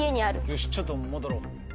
よしちょっと戻ろう。